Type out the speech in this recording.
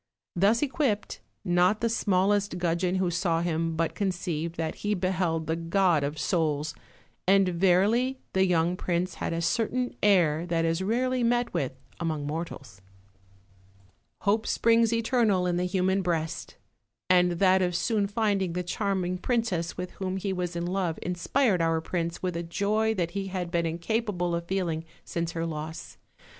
Thus equipped, not the small est gudgeon who saw him but conceived that he beheld the god of soles; and verily, the young prince had a cer tain air that is rarely met with among mortals. OLD, OLD FAIRY TALES. 213 "Hope springs eternal in the human breast;" and that of soon finding the charming princess Avith whom he was in love inspired *&ur prince with a joy that he had been incapable of feeling since her loss.